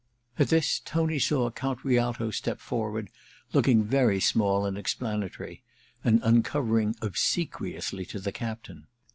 At this Tony saw Count Rialto step forward, looking very small and explanatory, and un covering obsequiously to the captsdn.